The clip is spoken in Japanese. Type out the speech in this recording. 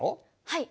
はい。